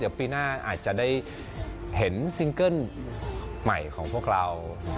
เดี๋ยวปีหน้าอาจจะได้เห็นซิงเกิ้ลใหม่ของพวกเรา